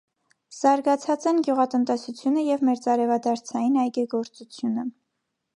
Զարգացած են գյուղատնտեսությունը և մերձարևադարձային այգեգործությունը։